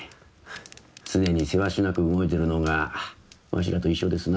常にせわしなく動いてるのがわしらと一緒ですな。